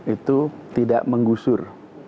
itu tidak menggusur